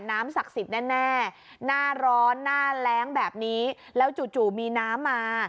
ศักดิ์สิทธิ์แน่หน้าร้อนหน้าแรงแบบนี้แล้วจู่มีน้ำมา